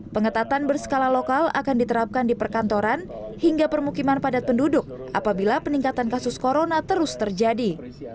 pengetatan berskala lokal akan diterapkan di perkantoran hingga permukiman padat penduduk apabila peningkatan kasus corona terus terjadi